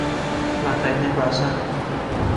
Lantainya basah.